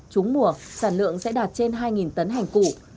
trúng mùa sản lượng sẽ đạt trên hai tấn hành củ